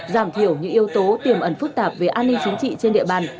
giảm thiểu những yếu tố tiềm ẩn phức tạp về an ninh chính trị trên địa bàn